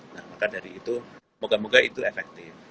nah maka dari itu moga moga itu efektif